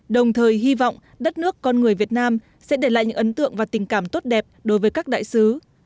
đồng thời hy vọng đất nước con người việt nam sẽ để lại những ấn tượng và tình cảm tốt đẹp đối với các đại sứ